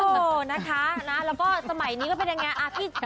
เออนะคะแล้วก็สมัยนี้ก็เป็นยังไง